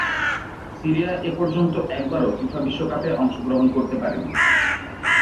Syria এপর্যন্ত একবারও FIFA বিশ্বকাপে অংশগ্রহণ করতে পারেনি।